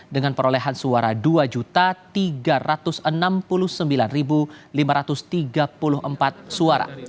dengan perolehan suara dua tiga ratus enam puluh sembilan lima ratus tiga puluh empat suara